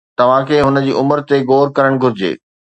توهان کي هن جي عمر تي غور ڪرڻ گهرجي